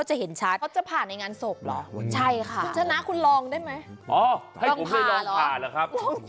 จะลองเอามะเขือไปผ่า